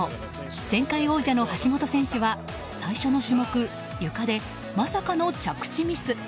前回王者の橋本選手は最初の種目、ゆかでまさかの着地ミス。